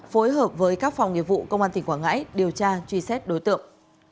phối hợp với các phòng nghiệp vụ công an tỉnh quảng ngãi điều tra truy xét đối tượng